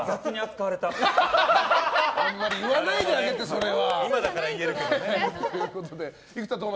あんまり言わないであげてそれは。